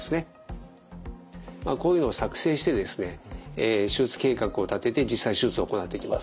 こういうのを作成してですね手術計画を立てて実際手術を行っていきます。